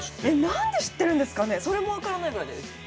何で知ってるんですかねそれも分からないぐらいです。